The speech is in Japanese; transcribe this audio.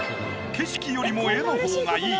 景色よりも絵の方が良い。